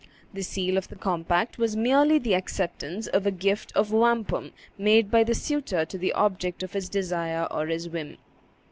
The seal of the compact was merely the acceptance of a gift of wampum made by the suitor to the object of his desire or his whim.